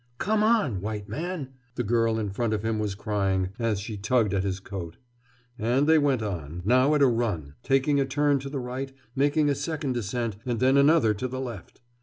"Come on, white man!" the girl in front of him was crying, as she tugged at his coat. And they went on, now at a run, taking a turn to the right, making a second descent, and then another to the left.